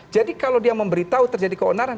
jadi kalau dia memberitahu terjadi keonaran